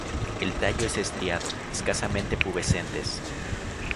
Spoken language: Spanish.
El tallo es estriado, escasamente pubescentes.